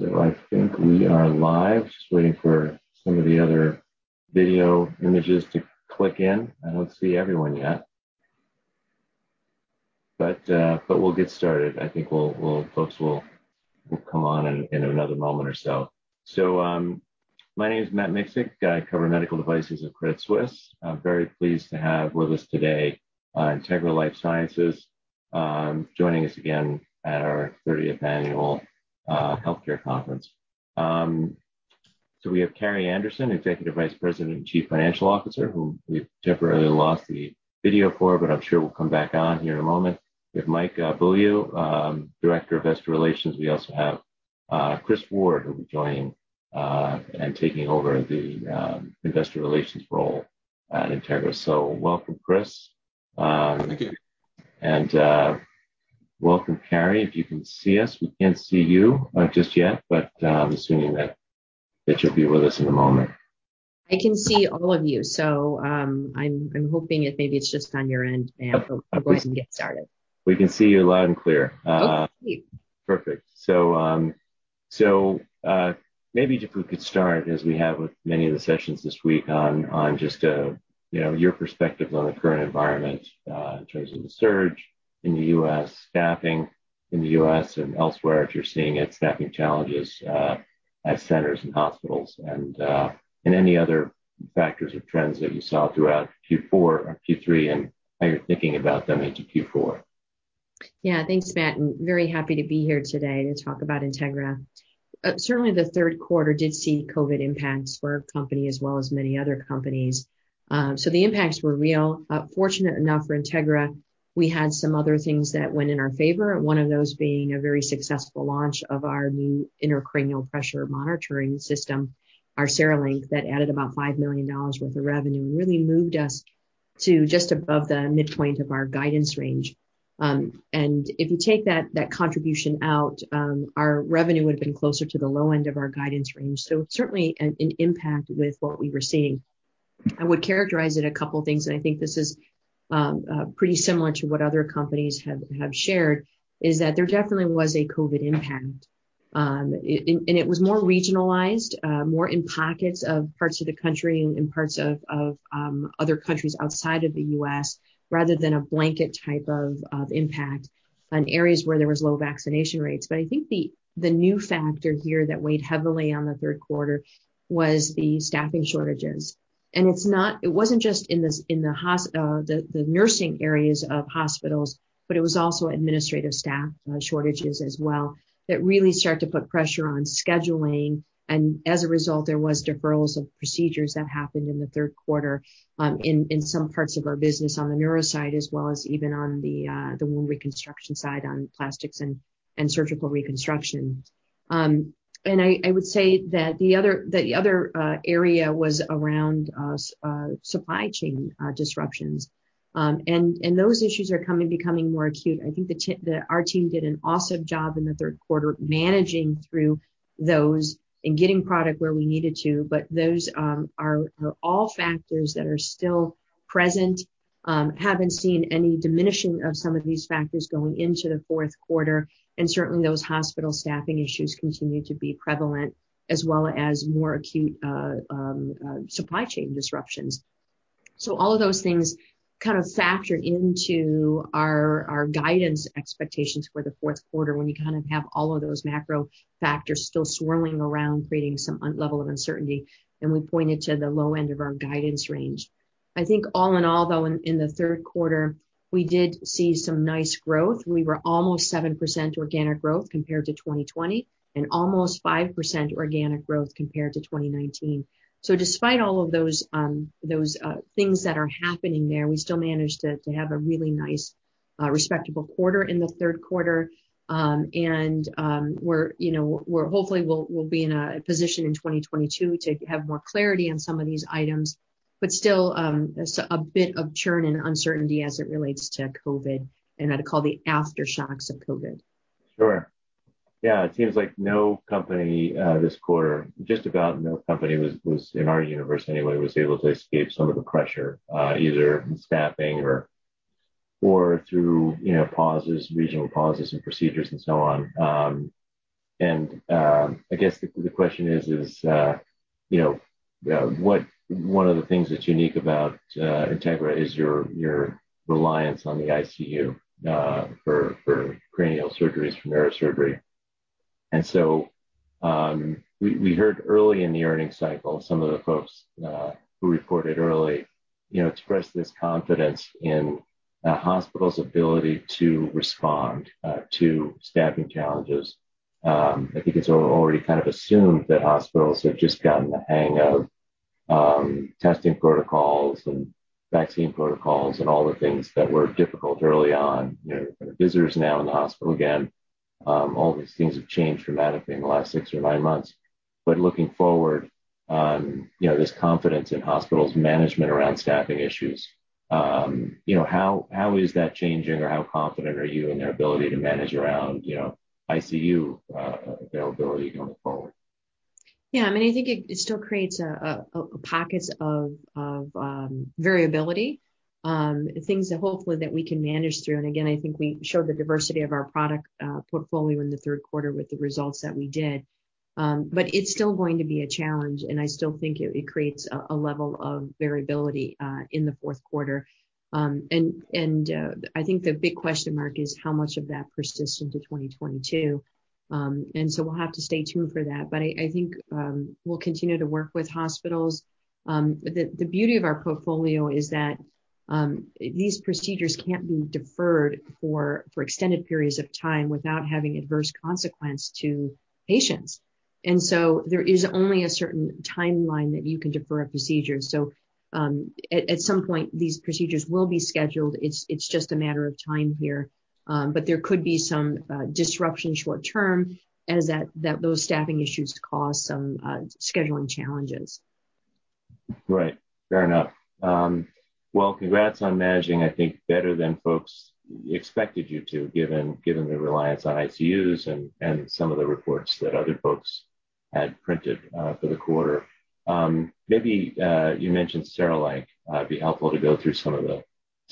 I think we are live. Just waiting for some of the other video images to click in. I don't see everyone yet. But we'll get started. I think we'll, folks will come on in another moment or so. So, my name is Matt Miksic. I cover medical devices at Credit Suisse. I'm very pleased to have with us today Integra LifeSciences, joining us again at our 30th annual healthcare conference. So we have Carrie Anderson, Executive Vice President and Chief Financial Officer, whom we've temporarily lost the video for, but I'm sure we'll come back on here in a moment. We have Mike Beaulieu, Director of Investor Relations. We also have Chris Ward, who will be joining and taking over the investor relations role at Integra. So welcome, Chris. Thank you. Welcome, Carrie. If you can see us, we can't see you, just yet, but I'm assuming that you'll be with us in a moment. I can see all of you. So, I'm hoping if maybe it's just on your end, and we'll go ahead and get started. We can see you loud and clear. Oh, .sweet. Perfect. So, maybe if we could start, as we have with many of the sessions this week, on just, you know, your perspectives on the current environment, in terms of the surge in the U.S., staffing in the U.S., and elsewhere, if you're seeing it, staffing challenges, at centers and hospitals, and any other factors or trends that you saw throughout Q4 or Q3, and how you're thinking about them into Q4. Yeah. Thanks, Matt. I'm very happy to be here today to talk about Integra. Certainly the third quarter did see COVID impacts for our company as well as many other companies. So the impacts were real. Fortunately enough for Integra, we had some other things that went in our favor, one of those being a very successful launch of our new intracranial pressure monitoring system, our CereLink, that added about $5 million worth of revenue and really moved us to just above the midpoint of our guidance range. If you take that contribution out, our revenue would have been closer to the low end of our guidance range. Certainly an impact with what we were seeing. I would characterize it a couple of things, and I think this is pretty similar to what other companies have shared, is that there definitely was a COVID impact. It was more regionalized, more in pockets of parts of the country and parts of other countries outside of the U.S., rather than a blanket type of impact on areas where there was low vaccination rates. But I think the new factor here that weighed heavily on the third quarter was the staffing shortages. And it was not just in the nursing areas of hospitals, but it was also administrative staff shortages as well that really start to put pressure on scheduling. And as a result, there was deferrals of procedures that happened in the third quarter, in some parts of our business on the neuro side as well as even on the wound reconstruction side on plastics and surgical reconstruction. I would say that the other area was around supply chain disruptions, and those issues are becoming more acute. I think our team did an awesome job in the third quarter managing through those and getting product where we needed to, but those are all factors that are still present and haven't seen any diminishing of some of these factors going into the fourth quarter, and certainly those hospital staffing issues continue to be prevalent as well as more acute supply chain disruptions, so all of those things kind of factored into our guidance expectations for the fourth quarter when you kind of have all of those macro factors still swirling around, creating some level of uncertainty, and we pointed to the low end of our guidance range. I think all in all, though, in the third quarter, we did see some nice growth. We were almost 7% organic growth compared to 2020 and almost 5% organic growth compared to 2019. So despite all of those things that are happening there, we still managed to have a really nice, respectable quarter in the third quarter. We're, you know, hopefully we'll be in a position in 2022 to have more clarity on some of these items, but still a bit of churn and uncertainty as it relates to COVID, and I'd call the aftershocks of COVID. Sure. Yeah. It seems like no company this quarter, just about no company was in our universe anyway, was able to escape some of the pressure, either staffing or through, you know, pauses, regional pauses and procedures and so on, and I guess the question is, you know, what one of the things that's unique about Integra is your reliance on the ICU for cranial surgeries for neurosurgery? And so we heard early in the earnings cycle, some of the folks who reported early, you know, expressed this confidence in hospitals' ability to respond to staffing challenges. I think it's already kind of assumed that hospitals have just gotten the hang of testing protocols and vaccine protocols and all the things that were difficult early on. You know, visitors now in the hospital again, all these things have changed dramatically in the last six or nine months. But looking forward, you know, this confidence in hospitals' management around staffing issues, you know, how is that changing or how confident are you in their ability to manage around, you know, ICU availability going forward? Yeah. I mean, I think it still creates pockets of variability, things that hopefully we can manage through. And again, I think we showed the diversity of our product portfolio in the third quarter with the results that we did. But it's still going to be a challenge. And I still think it creates a level of variability in the fourth quarter. And I think the big question mark is how much of that persists into 2022. And so we'll have to stay tuned for that. But I think we'll continue to work with hospitals. The beauty of our portfolio is that these procedures can't be deferred for extended periods of time without having adverse consequence to patients. And so there is only a certain timeline that you can defer a procedure. So, at some point, these procedures will be scheduled. It's just a matter of time here. But there could be some disruption short term as those staffing issues cause some scheduling challenges. Right. Fair enough. Well, congrats on managing, I think, better than folks expected you to, given the reliance on ICUs and some of the reports that other folks had printed, for the quarter. Maybe, you mentioned CereLink, it'd be helpful to go through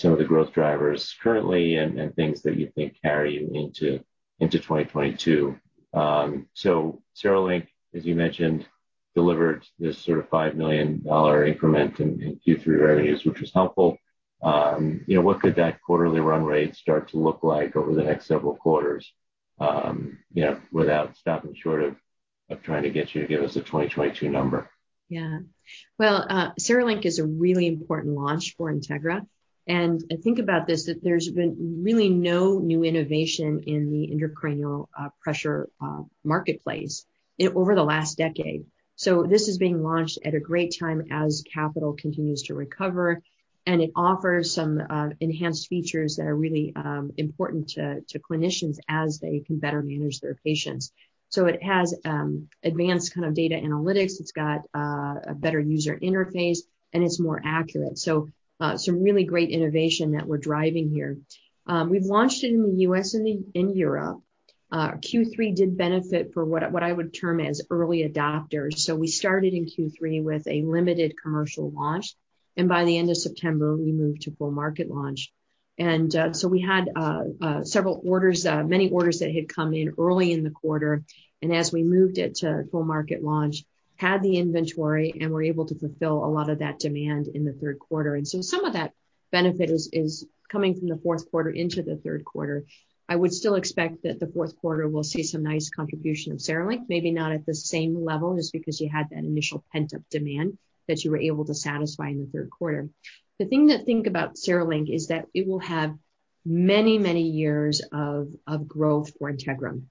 some of the growth drivers currently and things that you think carry you into 2022. So CereLink, as you mentioned, delivered this sort of $5 million increment in Q3 revenues, which was helpful. You know, what could that quarterly run rate start to look like over the next several quarters, you know, without stopping short of trying to get you to give us a 2022 number? Yeah. Well, CereLink is a really important launch for Integra. And I think about this, that there's been really no new innovation in the intracranial pressure marketplace in over the last decade. So this is being launched at a great time as capital continues to recover, and it offers some enhanced features that are really important to clinicians as they can better manage their patients. So it has advanced kind of data analytics. It's got a better user interface, and it's more accurate. So some really great innovation that we're driving here. We've launched it in the U.S. and in Europe. Q3 did benefit for what I would term as early adopters. So we started in Q3 with a limited commercial launch, and by the end of September, we moved to full market launch. And so we had several orders, many orders that had come in early in the quarter. And as we moved it to full market launch, had the inventory and were able to fulfill a lot of that demand in the third quarter. And so some of that benefit is coming from the fourth quarter into the third quarter. I would still expect that the fourth quarter we'll see some nice contribution of CereLink, maybe not at the same level just because you had that initial pent-up demand that you were able to satisfy in the third quarter. The thing to think about CereLink is that it will have many, many years of growth for Integra.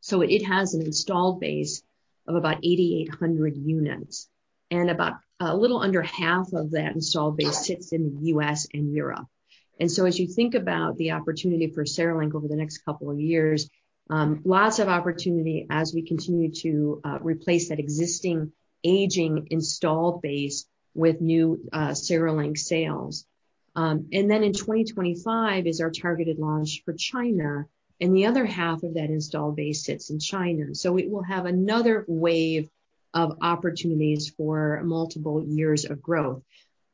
So it has an installed base of about 8,800 units, and about a little under half of that installed base sits in the U.S. and Europe. And so as you think about the opportunity for CereLink over the next couple of years, lots of opportunity as we continue to replace that existing aging installed base with new CereLink sales. And then in 2025 is our targeted launch for China, and the other half of that installed base sits in China. So it will have another wave of opportunities for multiple years of growth.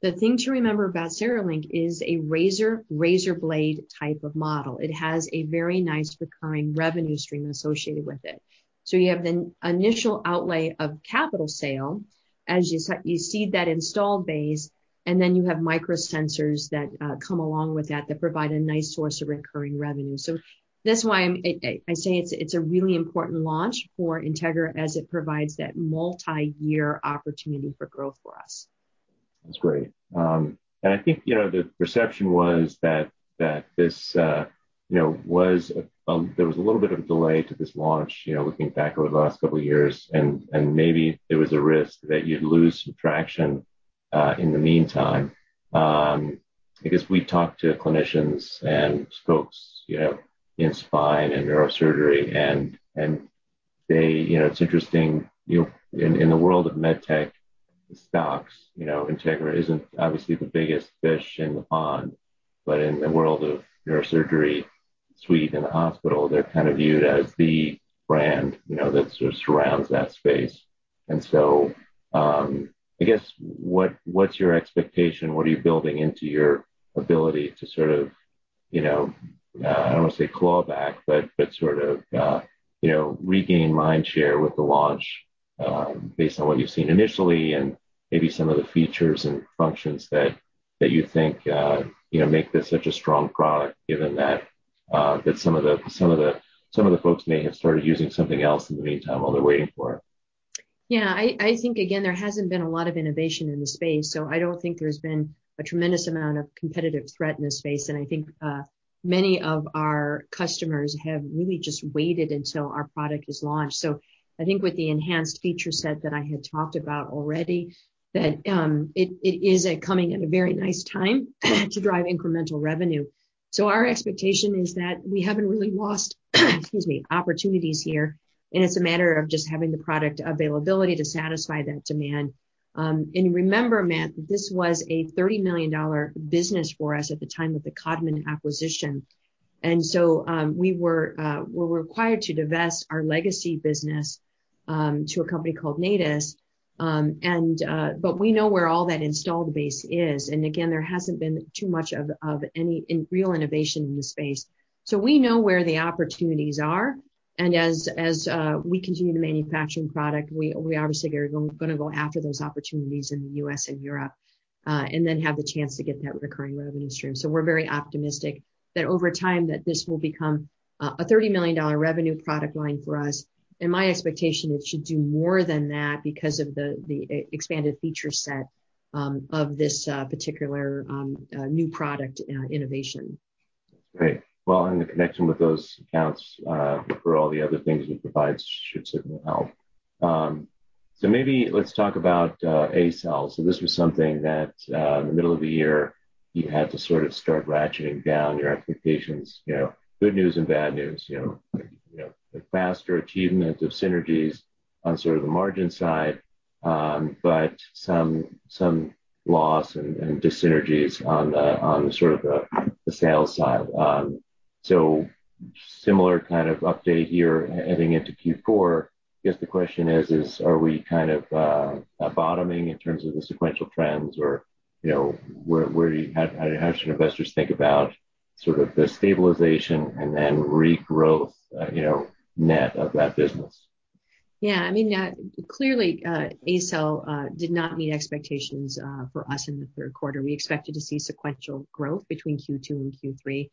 The thing to remember about CereLink is a razor-razor blade type of model. It has a very nice recurring revenue stream associated with it. So you have the initial outlay of capital sale as you seed that installed base, and then you have microsensors that come along with that that provide a nice source of recurring revenue. So that's why I say it's a really important launch for Integra as it provides that multi-year opportunity for growth for us. That's great. And I think, you know, the perception was that this, you know, was a there was a little bit of a delay to this launch, you know, looking back over the last couple of years, and maybe there was a risk that you'd lose some traction in the meantime. Because we talked to clinicians and folks, you know, in spine and neurosurgery, and they, you know, it's interesting, you know, in the world of medtech, the stocks, you know, Integra isn't obviously the biggest fish in the pond, but in the world of neurosurgery suite in the hospital, they're kind of viewed as the brand, you know, that sort of surrounds that space. And so, I guess what, what's your expectation? What are you building into your ability to sort of, you know, I don't want to say claw back, but sort of, you know, regain mind share with the launch, based on what you've seen initially and maybe some of the features and functions that you think, you know, make this such a strong product given that some of the folks may have started using something else in the meantime while they're waiting for it? Yeah. I think, again, there hasn't been a lot of innovation in the space. So I don't think there's been a tremendous amount of competitive threat in the space. And I think many of our customers have really just waited until our product is launched. So I think with the enhanced feature set that I had talked about already, that it's coming at a very nice time to drive incremental revenue. So our expectation is that we haven't really lost opportunities here, excuse me, and it's a matter of just having the product availability to satisfy that demand. Remember, Matt, this was a $30 million business for us at the time of the Codman acquisition. And so we were required to divest our legacy business to a company called Natus. But we know where all that installed base is. Again, there hasn't been too much of any real innovation in the space. We know where the opportunities are. As we continue to manufacture product, we obviously are going to go after those opportunities in the U.S. and Europe, and then have the chance to get that recurring revenue stream. We're very optimistic that over time this will become a $30 million revenue product line for us. My expectation is it should do more than that because of the expanded feature set of this particular new product innovation. That's great. Well, in connection with those accounts, for all the other things we provide should certainly help. So maybe let's talk about ACell. So this was something that, in the middle of the year, you had to sort of start ratcheting down your expectations, you know, good news and bad news, you know, you know, faster achievement of synergies on sort of the margin side, but some loss and dyssynergies on sort of the sales side. So similar kind of update here heading into Q4. I guess the question is, are we kind of bottoming in terms of the sequential trends or, you know, where you how should investors think about sort of the stabilization and then regrowth, you know, net of that business? Yeah. I mean, clearly, ACell did not meet expectations for us in the third quarter. We expected to see sequential growth between Q2 and Q3,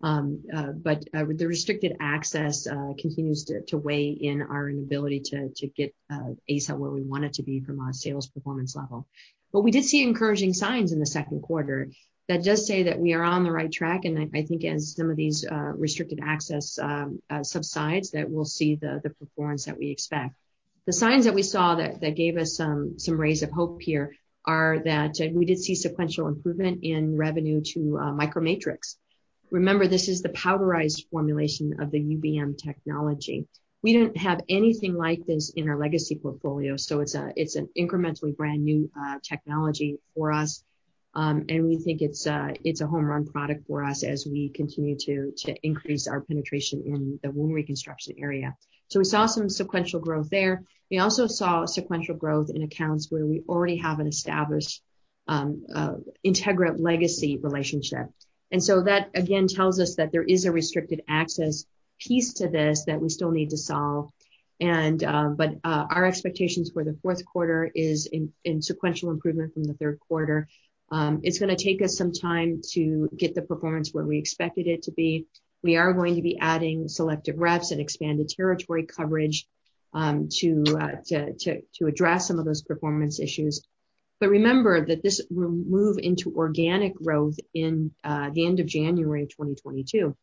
but the restricted access continues to weigh on our inability to get ACell where we want it to be from our sales performance level. But we did see encouraging signs in the second quarter that does say that we are on the right track. And I think as some of these restricted access subsides, that we'll see the performance that we expect. The signs that we saw that gave us some rays of hope here are that we did see sequential improvement in revenue to MicroMatrix. Remember, this is the powderized formulation of the UBM technology. We didn't have anything like this in our legacy portfolio. So it's an incrementally brand new technology for us. And we think it's a home run product for us as we continue to increase our penetration in the wound reconstruction area. So we saw some sequential growth there. We also saw sequential growth in accounts where we already have an established Integra legacy relationship. And so that again tells us that there is a restricted access piece to this that we still need to solve. But our expectations for the fourth quarter is in sequential improvement from the third quarter. It's going to take us some time to get the performance where we expected it to be. We are going to be adding selective reps and expanded territory coverage to address some of those performance issues. But remember that this will move into organic growth in the end of January 2022.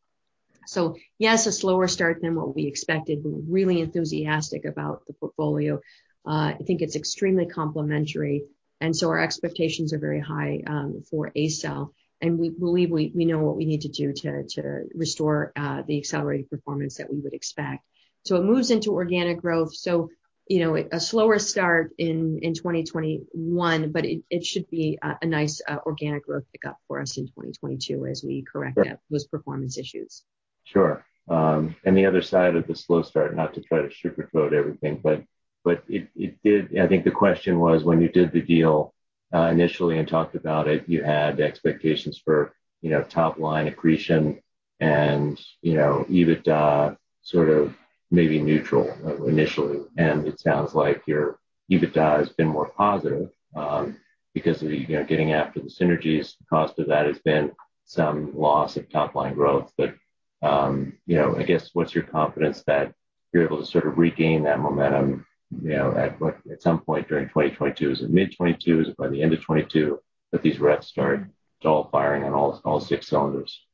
So yes, a slower start than what we expected. We're really enthusiastic about the portfolio. I think it's extremely complimentary, and so our expectations are very high for ACell, and we believe we know what we need to do to restore the accelerated performance that we would expect, so it moves into organic growth. So, you know, a slower start in 2021, but it should be a nice organic growth pickup for us in 2022 as we correct those performance issues. Sure. And the other side of the slow start, not to try to sugarcoat everything, but it did. I think the question was when you did the deal initially and talked about it, you had expectations for, you know, top line accretion and, you know, EBITDA sort of maybe neutral initially. And it sounds like your EBITDA has been more positive because of, you know, getting after the synergies. The cost of that has been some loss of top line growth. But, you know, I guess what's your confidence that you're able to sort of regain that momentum, you know, at what, at some point during 2022? Is it mid-2022? Is it by the end of 2022 that these reps start firing on all six cylinders?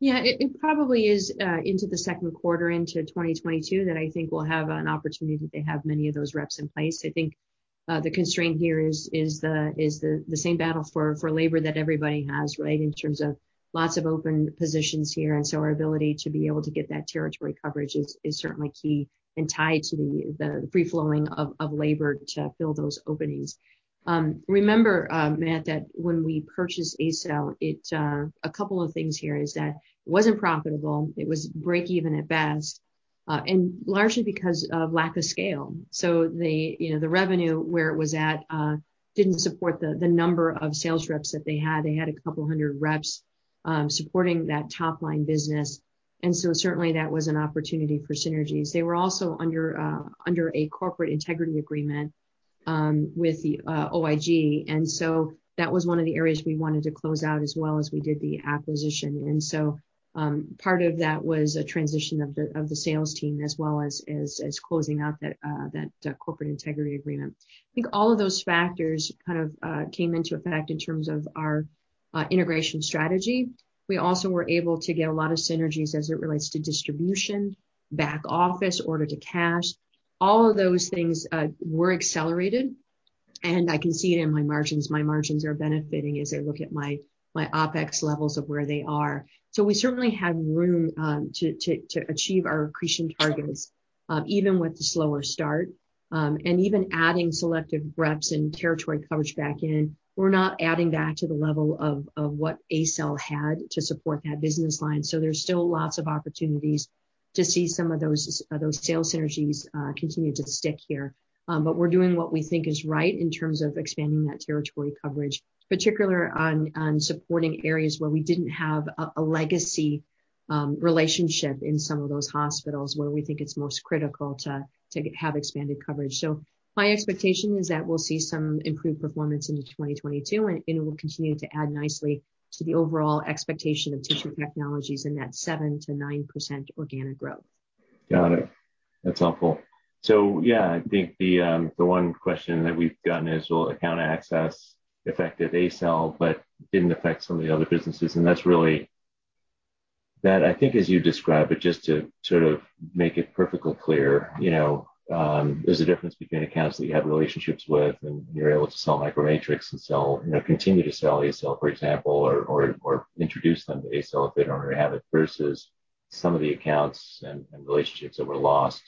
Yeah. It probably is into the second quarter into 2022 that I think we'll have an opportunity to have many of those reps in place. I think the constraint here is the same battle for labor that everybody has, right, in terms of lots of open positions here. And so our ability to be able to get that territory coverage is certainly key and tied to the free flowing of labor to fill those openings. Remember, Matt, that when we purchased ACell, a couple of things here is that it wasn't profitable. It was break even at best, and largely because of lack of scale. So you know, the revenue where it was at didn't support the number of sales reps that they had. They had a couple hundred reps supporting that top line business. And so certainly that was an opportunity for synergies. They were also under a corporate integrity agreement with the OIG. And so that was one of the areas we wanted to close out as well as we did the acquisition. And so part of that was a transition of the sales team as well as closing out that corporate integrity agreement. I think all of those factors kind of came into effect in terms of our integration strategy. We also were able to get a lot of synergies as it relates to distribution, back office, order to cash. All of those things were accelerated. And I can see it in my margins. My margins are benefiting as I look at my OpEx levels of where they are. So we certainly have room to achieve our accretion targets, even with the slower start, and even adding selective reps and territory coverage back in. We're not adding that to the level of what ACell had to support that business line. So there's still lots of opportunities to see some of those sales synergies continue to stick here. But we're doing what we think is right in terms of expanding that territory coverage, particularly on supporting areas where we didn't have a legacy relationship in some of those hospitals where we think it's most critical to have expanded coverage. So my expectation is that we'll see some improved performance into 2022, and it will continue to add nicely to the overall expectation of Tissue Technologies and that 7%-9% organic growth. Got it. That's helpful. So yeah, I think the one question that we've gotten is, well, account access affected ACell, but didn't affect some of the other businesses. And that's really that, I think, as you describe it, just to sort of make it perfectly clear, you know, there's a difference between accounts that you have relationships with and you're able to sell MicroMatrix and sell, you know, continue to sell ACell, for example, or introduce them to ACell if they don't already have it versus some of the accounts and relationships that were lost,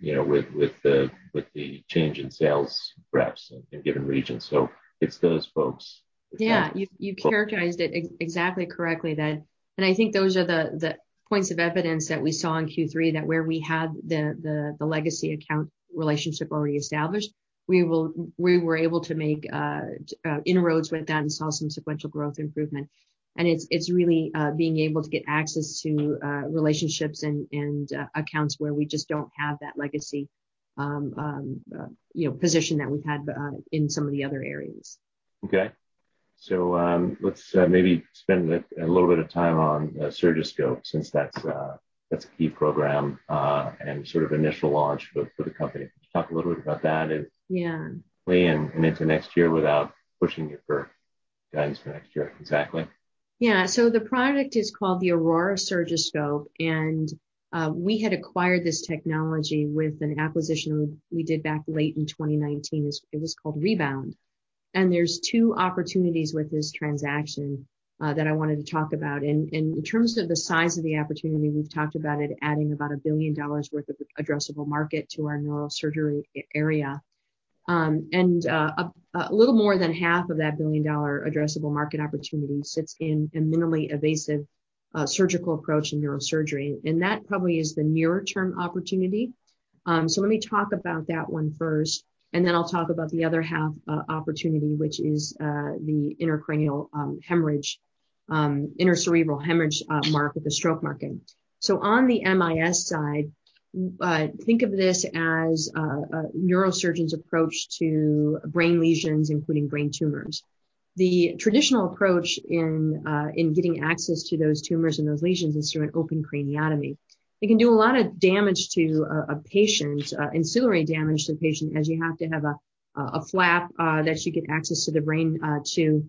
you know, with the change in sales reps in given regions. So it's those folks. Yeah. You characterized it exactly correctly that, and I think those are the points of evidence that we saw in Q3 that where we had the legacy account relationship already established, we were able to make inroads with that and saw some sequential growth improvement. And it's really being able to get access to relationships and accounts where we just don't have that legacy, you know, position that we've had in some of the other areas. Okay. So, let's maybe spend a little bit of time on Surgiscope since that's a key program and sort of initial launch for the company. Can you talk a little bit about that and. Yeah. Lean into next year without pushing it for guidance for next year? Exactly. Yeah. So the product is called the Aurora Surgiscope. And we had acquired this technology with an acquisition we did back late in 2019. It was called Rebound. And there's two opportunities with this transaction that I wanted to talk about. And in terms of the size of the opportunity, we've talked about it adding about $1 billion worth of addressable market to our neurosurgery area. And a little more than half of that $1 billion addressable market opportunity sits in a minimally invasive surgical approach in neurosurgery. And that probably is the nearer term opportunity. Let me talk about that one first, and then I'll talk about the other half opportunity, which is the intracerebral hemorrhage market with the stroke market. So on the MIS side, think of this as a neurosurgeon's approach to brain lesions, including brain tumors. The traditional approach in getting access to those tumors and those lesions is through an open craniotomy. It can do a lot of damage to a patient, ancillary damage to the patient as you have to have a flap that you get access to the brain, too.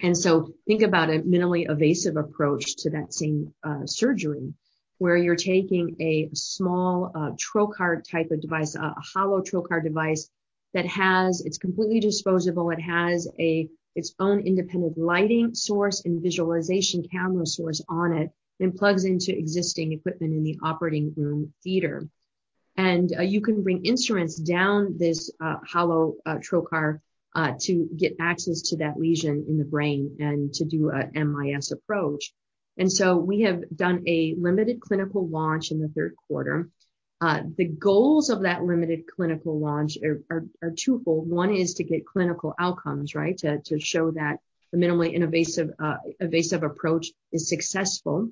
Think about a minimally invasive approach to that same surgery where you're taking a small trocar type of device, a hollow trocar device that has, it's completely disposable. It has its own independent lighting source and visualization camera source on it and plugs into existing equipment in the operating room theater. You can bring instruments down this hollow trocar to get access to that lesion in the brain and to do an MIS approach. We have done a limited clinical launch in the third quarter. The goals of that limited clinical launch are twofold. One is to get clinical outcomes, right, to show that a minimally invasive approach is successful.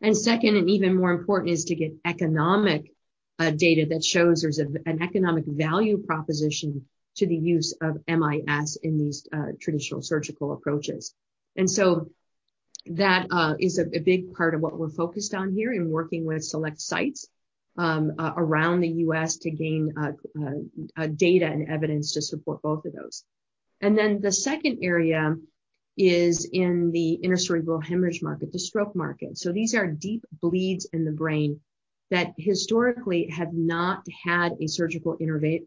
And second, and even more important, is to get economic data that shows there's an economic value proposition to the use of MIS in these traditional surgical approaches. And so that is a big part of what we're focused on here in working with select sites around the US to gain data and evidence to support both of those. And then the second area is in the intracerebral hemorrhage market, the stroke market. So these are deep bleeds in the brain that historically have not had a surgical intervention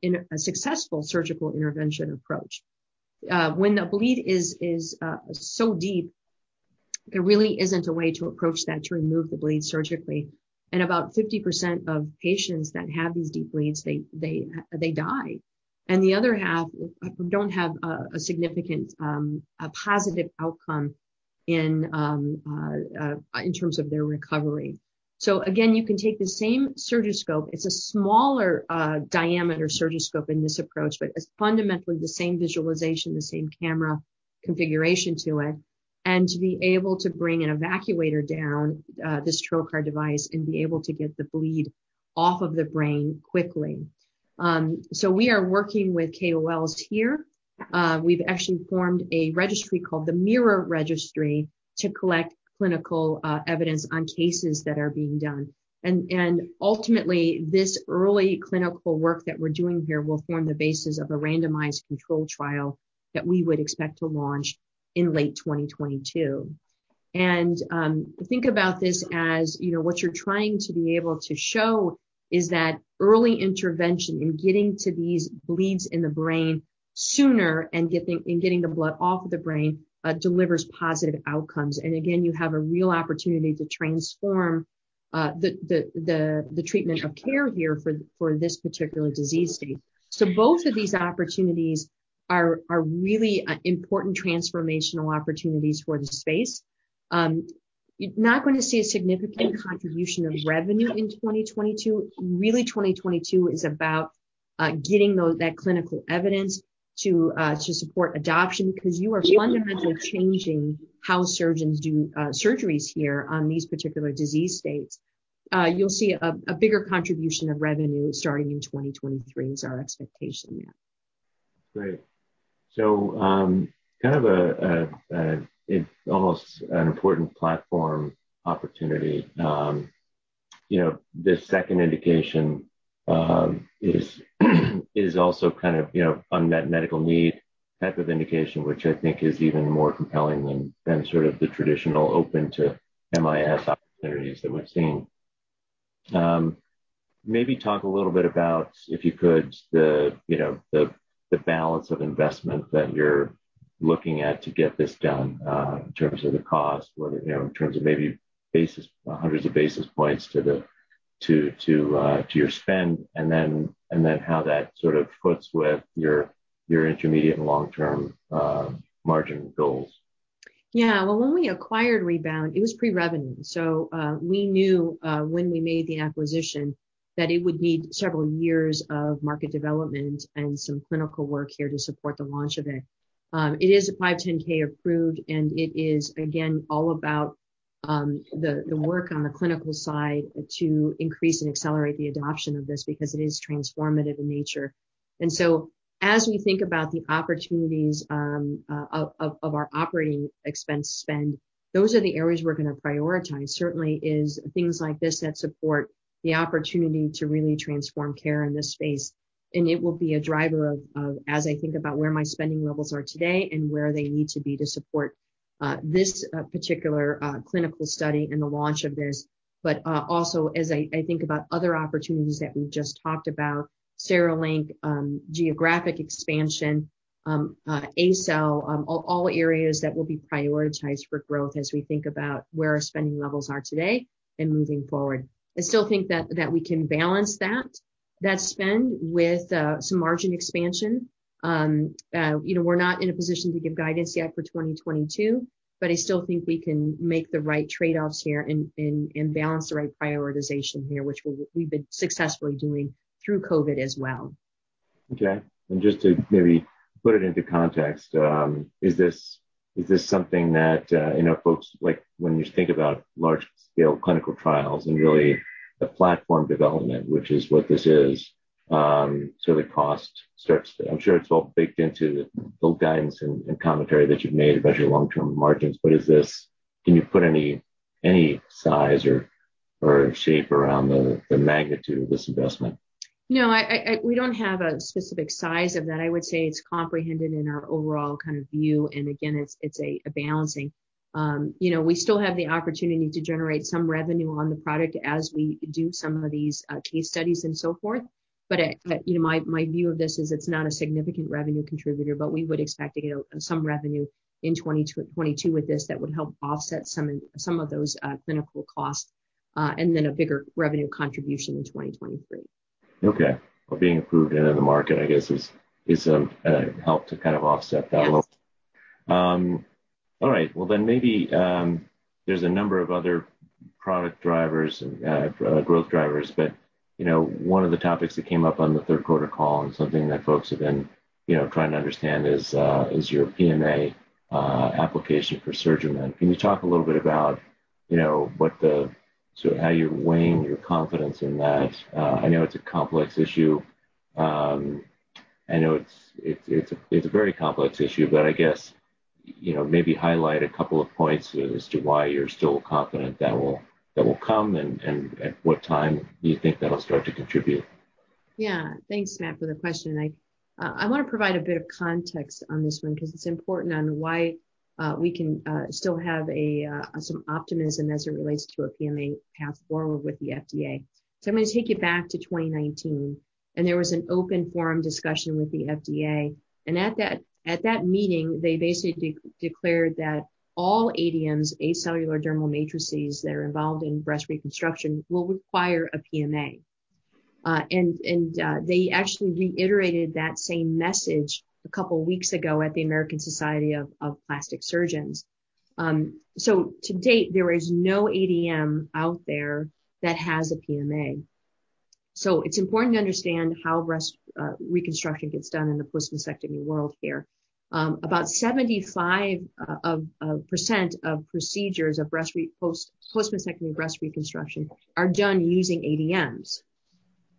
in a successful surgical intervention approach. When the bleed is so deep, there really isn't a way to approach that to remove the bleed surgically. About 50% of patients that have these deep bleeds, they die. The other half don't have a significant positive outcome in terms of their recovery. Again, you can take the same Surgiscope. It's a smaller diameter Surgiscope in this approach, but it's fundamentally the same visualization, the same camera configuration to it. You can bring an evacuator down this trocar device and be able to get the bleed off of the brain quickly. We are working with KOLs here. We've actually formed a registry called the MIRROR Registry to collect clinical evidence on cases that are being done. Ultimately, this early clinical work that we're doing here will form the basis of a randomized control trial that we would expect to launch in late 2022. Think about this as, you know, what you're trying to be able to show is that early intervention in getting to these bleeds in the brain sooner and getting the blood off of the brain delivers positive outcomes. Again, you have a real opportunity to transform the treatment of care here for this particular disease state. Both of these opportunities are really important transformational opportunities for the space. You're not going to see a significant contribution of revenue in 2022. Really, 2022 is about getting that clinical evidence to support adoption because you are fundamentally changing how surgeons do surgeries here on these particular disease states. You'll see a bigger contribution of revenue starting in 2023 is our expectation there. Great. So, kind of, it's almost an important platform opportunity. You know, this second indication is also kind of, you know, unmet medical need type of indication, which I think is even more compelling than sort of the traditional open to MIS opportunities that we've seen. Maybe talk a little bit about, if you could, you know, the balance of investment that you're looking at to get this done, in terms of the cost, whether, you know, in terms of maybe basis, hundreds of basis points to your spend, and then how that sort of fits with your intermediate and long-term margin goals. Yeah. Well, when we acquired Rebound, it was pre-revenue. So, we knew, when we made the acquisition that it would need several years of market development and some clinical work here to support the launch of it. It is a 510(k) approved, and it is, again, all about the work on the clinical side to increase and accelerate the adoption of this because it is transformative in nature. And so as we think about the opportunities of our operating expense spend, those are the areas we're going to prioritize, certainly is things like this that support the opportunity to really transform care in this space. And it will be a driver of, as I think about where my spending levels are today and where they need to be to support this particular clinical study and the launch of this. But also as I think about other opportunities that we've just talked about, CereLink, geographic expansion, ACell, all areas that will be prioritized for growth as we think about where our spending levels are today and moving forward. I still think that we can balance that spend with some margin expansion. You know, we're not in a position to give guidance yet for 2022, but I still think we can make the right trade-offs here and balance the right prioritization here, which we've been successfully doing through COVID as well. Okay. And just to maybe put it into context, is this something that, you know, folks like when you think about large-scale clinical trials and really the platform development, which is what this is, so the cost starts. I'm sure it's all baked into the guidance and commentary that you've made about your long-term margins. But can you put any size or shape around the magnitude of this investment? No, we don't have a specific size of that. I would say it's comprehended in our overall kind of view. And again, it's a balancing. You know, we still have the opportunity to generate some revenue on the product as we do some of these case studies and so forth. But, you know, my view of this is it's not a significant revenue contributor, but we would expect to get some revenue in 2022 with this that would help offset some of those clinical costs, and then a bigger revenue contribution in 2023. Okay. Well, being approved and in the market, I guess is help to kind of offset that load. All right. Well, then maybe there's a number of other product drivers and growth drivers, but you know, one of the topics that came up on the third quarter call and something that folks have been you know trying to understand is your PMA application for SurgiMend. Can you talk a little bit about you know what the so how you're weighing your confidence in that? I know it's a complex issue. I know it's a very complex issue, but I guess you know maybe highlight a couple of points as to why you're still confident that will come and at what time do you think that'll start to contribute? Yeah. Thanks, Matt, for the question. I want to provide a bit of context on this one because it's important on why we can still have some optimism as it relates to a PMA path forward with the FDA. So I'm going to take you back to 2019, and there was an open forum discussion with the FDA. And at that meeting, they basically declared that all ADMs, acellular dermal matrices that are involved in breast reconstruction will require a PMA, and they actually reiterated that same message a couple of weeks ago at the American Society of Plastic Surgeons. So to date, there is no ADM out there that has a PMA. So it's important to understand how breast reconstruction gets done in the post-mastectomy world here. About 75% of procedures of breast post-mastectomy breast reconstruction are done using ADMs.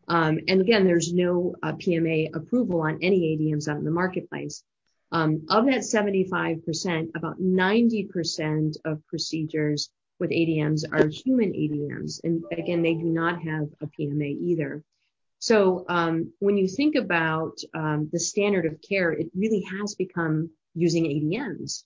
And again, there's no PMA approval on any ADMs out in the marketplace. Of that 75%, about 90% of procedures with ADMs are human ADMs. And again, they do not have a PMA either. So, when you think about the standard of care, it really has become using ADMs.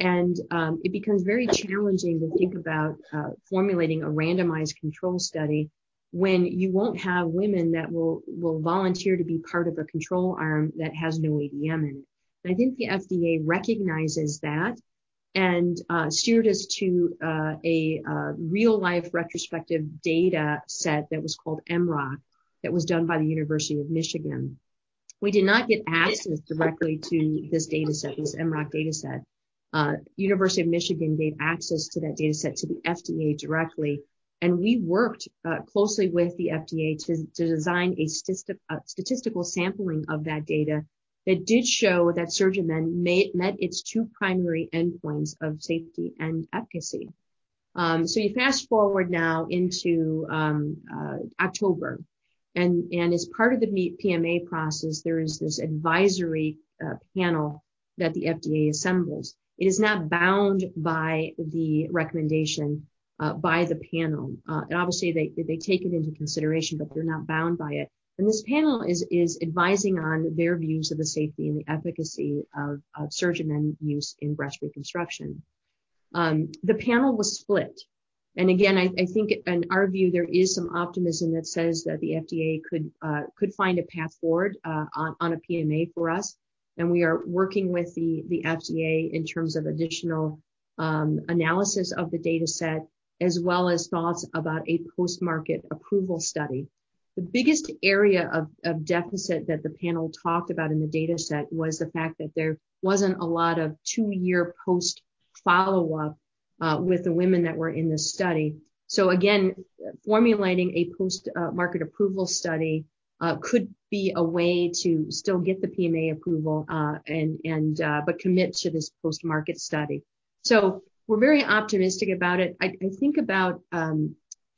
And it becomes very challenging to think about formulating a randomized control study when you won't have women that will volunteer to be part of a control arm that has no ADM in it. And I think the FDA recognizes that and steered us to a real-life retrospective data set that was called MROC that was done by the University of Michigan. We did not get access directly to this data set, this MROC data set. University of Michigan gave access to that data set to the FDA directly. And we worked closely with the FDA to design a statistical sampling of that data that did show that SurgiMend met its two primary endpoints of safety and efficacy. So you fast forward now into October. And as part of the PMA process, there is this advisory panel that the FDA assembles. It is not bound by the recommendation by the panel. And obviously they take it into consideration, but they're not bound by it. And this panel is advising on their views of the safety and the efficacy of SurgiMend use in breast reconstruction. The panel was split. And again, I think in our view, there is some optimism that says that the FDA could find a path forward on a PMA for us. We are working with the FDA in terms of additional analysis of the data set, as well as thoughts about a post-market approval study. The biggest area of deficit that the panel talked about in the data set was the fact that there wasn't a lot of two-year post-follow-up with the women that were in this study. So again, formulating a post-market approval study could be a way to still get the PMA approval, and but commit to this post-market study. So we're very optimistic about it. I think about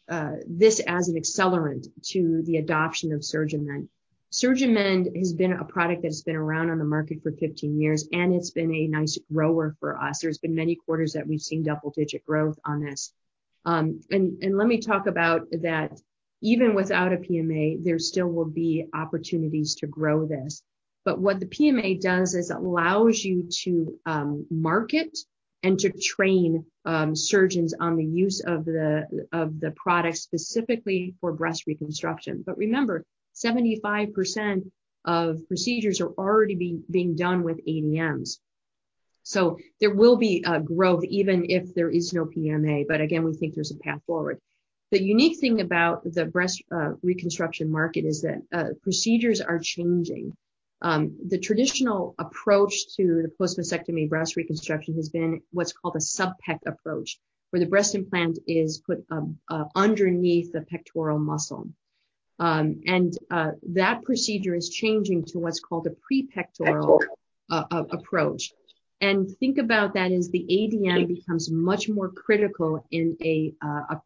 this as an accelerant to the adoption of SurgiMend. SurgiMend has been a product that has been around on the market for 15 years, and it's been a nice grower for us. There's been many quarters that we've seen double-digit growth on this, and let me talk about that. Even without a PMA, there still will be opportunities to grow this. But what the PMA does is allows you to market and to train surgeons on the use of the product specifically for breast reconstruction. But remember, 75% of procedures are already being done with ADMs. So there will be a growth even if there is no PMA. But again, we think there's a path forward. The unique thing about the breast reconstruction market is that procedures are changing. The traditional approach to the post-mastectomy breast reconstruction has been what's called a subpec approach, where the breast implant is put underneath the pectoral muscle, and that procedure is changing to what's called a prepectoral approach, and think about that as the ADM becomes much more critical in a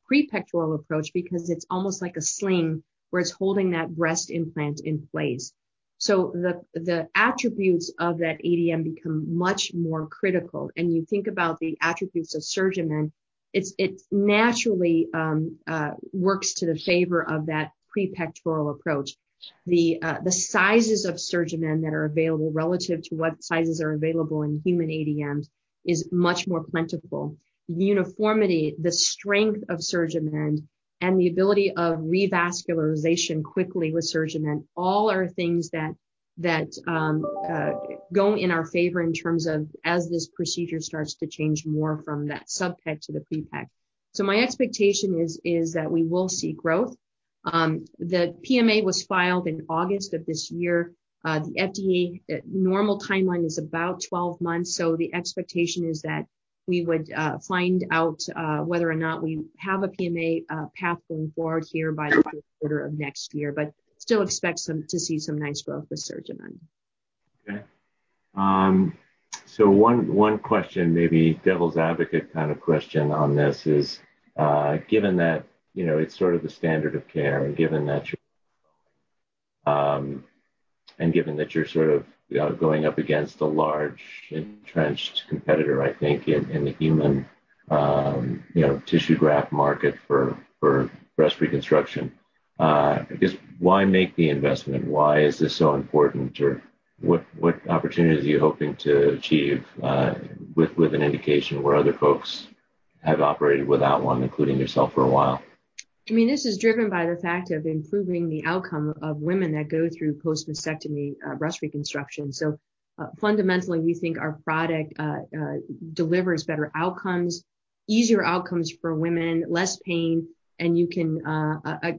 prepectoral approach because it's almost like a sling where it's holding that breast implant in place. So the attributes of that ADM become much more critical. And you think about the attributes of SurgiMend, it naturally works to the favor of that prepectoral approach. The sizes of SurgiMend that are available relative to what sizes are available in human ADMs is much more plentiful. The uniformity, the strength of SurgiMend, and the ability of revascularization quickly with SurgiMend all are things that go in our favor in terms of as this procedure starts to change more from that subpec to the prepec. So my expectation is that we will see growth. The PMA was filed in August of this year. The FDA normal timeline is about 12 months. So the expectation is that we would find out whether or not we have a PMA path going forward here by the third quarter of next year, but still expect to see some nice growth with SurgiMend. Okay. One question, maybe devil's advocate kind of question on this is, given that, you know, it's sort of the standard of care and given that you're growing, and given that you're sort of going up against a large entrenched competitor, I think, in the human, you know, tissue graft market for breast reconstruction, I guess, why make the investment? Why is this so important? Or what opportunities are you hoping to achieve with an indication where other folks have operated without one, including yourself for a while? I mean, this is driven by the fact of improving the outcome of women that go through post-mastectomy, breast reconstruction. So, fundamentally, we think our product, delivers better outcomes, easier outcomes for women, less pain, and you can,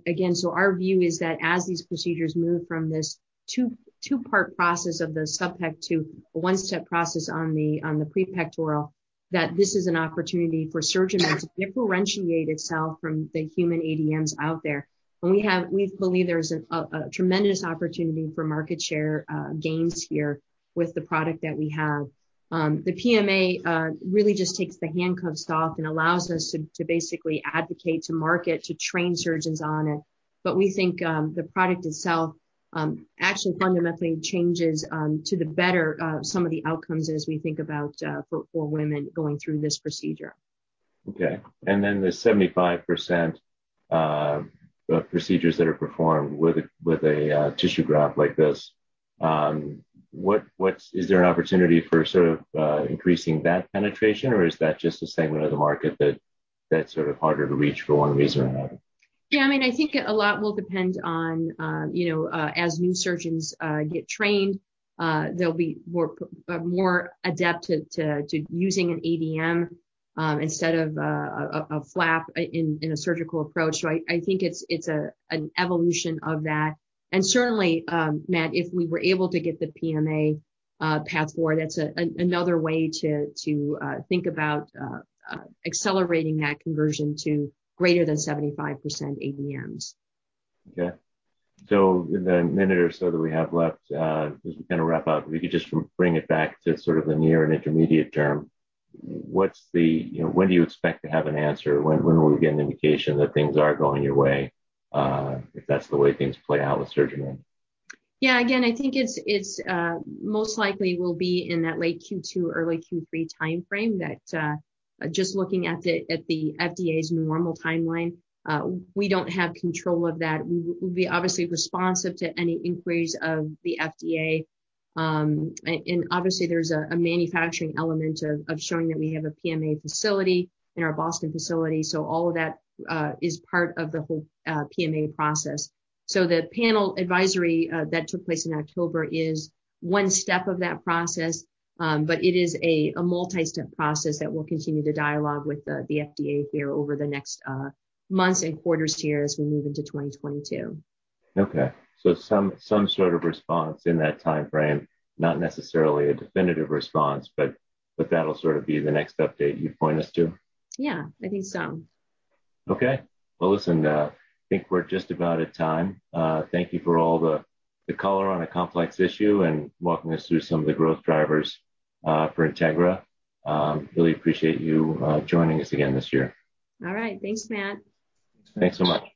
again, so our view is that as these procedures move from this two, two-part process of the subpec to a one-step process on the, on the prepectoral, that this is an opportunity for SurgiMend to differentiate itself from the human ADMs out there. And we have, we believe there's a, a tremendous opportunity for market share, gains here with the product that we have. The PMA, really just takes the handcuffs off and allows us to, to basically advocate to market to train surgeons on it. But we think the product itself actually fundamentally changes for the better some of the outcomes as we think about for women going through this procedure. Okay. And then the 75% procedures that are performed with a tissue graft like this, is there an opportunity for sort of increasing that penetration or is that just a segment of the market that's sort of harder to reach for one reason or another? Yeah. I mean, I think a lot will depend on, you know, as new surgeons get trained, they'll be more adept to using an ADM, instead of a flap in a surgical approach. So I think it's an evolution of that. And certainly, Matt, if we were able to get the PMA path forward, that's another way to think about accelerating that conversion to greater than 75% ADMs. Okay. So in the minute or so that we have left, as we kind of wrap up, if you could just bring it back to sort of the near and intermediate term, what's the, you know, when do you expect to have an answer? When, when will we get an indication that things are going your way, if that's the way things play out with SurgiMend? Yeah. Again, I think it's most likely will be in that late Q2, early Q3 timeframe, just looking at the FDA's normal timeline. We don't have control of that. We will be obviously responsive to any inquiries of the FDA. Obviously there's a manufacturing element of showing that we have a PMA facility in our Boston facility. So all of that is part of the whole PMA process. So the advisory panel that took place in October is one step of that process, but it is a multi-step process that will continue to dialogue with the FDA here over the next months and quarters here as we move into 2022. Okay. So some sort of response in that timeframe, not necessarily a definitive response, but that'll sort of be the next update you point us to? Yeah, I think so. Okay. Well, listen, I think we're just about at time. Thank you for all the, the color on a complex issue and walking us through some of the growth drivers for Integra. Really appreciate you joining us again this year. All right. Thanks, Matt. Thanks so much.